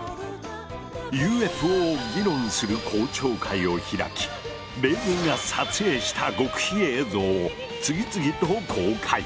ＵＦＯを議論する公聴会を開き米軍が撮影した極秘映像を次々と公開！